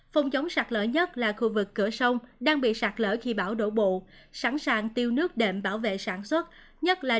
phòng chống sạt lỡ nhất là khu vực cửa sông đang bị sạt lỡ khi bão đổ bộ sẵn sàng tiêu nước đệm bảo vệ sản xuất